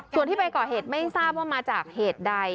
ส่วนที่ไปก่อเหตุไม่ทราบว่ามาจากเหตุใด